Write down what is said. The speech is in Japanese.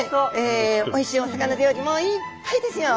おいしいお魚料理もいっぱいですよ！